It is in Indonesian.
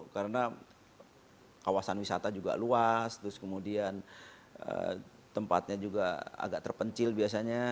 karena kawasan wisata juga luas kemudian tempatnya juga agak terpencil biasanya